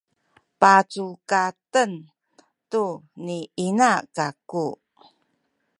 pacukaten tu ni ina kaku